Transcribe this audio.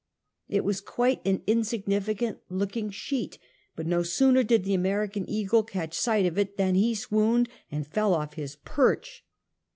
It was quite an insignificant looking sheet, but no sooner did the American eagle catch sight of it, than he swooned and fell off his perch.